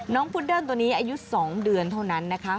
พุดเดิ้ลตัวนี้อายุ๒เดือนเท่านั้นนะคะ